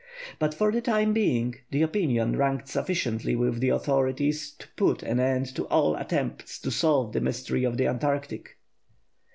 But for the time being the opinion ranked sufficiently with the authorities to put an end to all attempts to solve the mystery of the Antarctic.